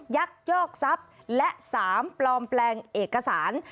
ยักยอกทรัพย์และ๓ปลอมแปลงเอกสาร